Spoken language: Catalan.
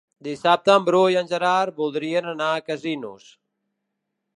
Dissabte en Bru i en Gerard voldrien anar a Casinos.